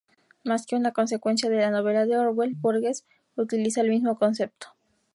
Más que una consecuencia de la novela de Orwell, Burgess utiliza el mismo concepto.